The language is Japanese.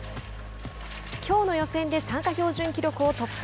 きょうの予選で参加標準記録を突破。